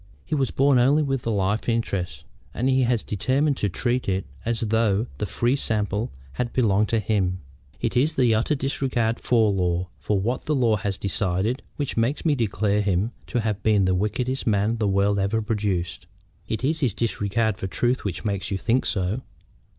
He was born only with the life interest, and he has determined to treat it as though the fee simple had belonged to him. It is his utter disregard for law, for what the law has decided, which makes me declare him to have been the wickedest man the world ever produced." "It is his disregard for truth which makes you think so."